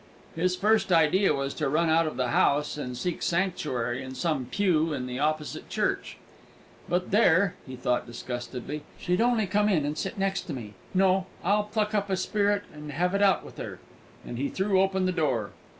His first idea was to run out of the house and seek sanctuary in some pew in the opposite church. "But there," he thought disgustedly, "she'd only come in and sit next to me. No, I'll pluck up a spirit and have it out with her!" and he threw open the door.